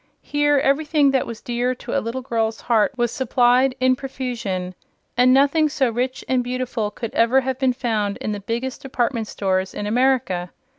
Here everything that was dear to a little girl's heart was supplied in profusion, and nothing so rich and beautiful could ever have been found in the biggest department stores in America.